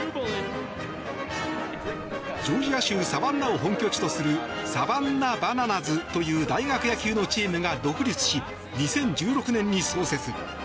ジョージア州サバンナを本拠地とするサバンナ・バナナズという大学野球のチームが独立し２０１６年に創設。